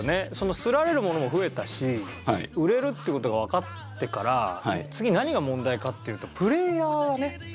擦られるものも増えたし売れるって事がわかってから次何が問題かっていうとプレーヤーだったんですよね。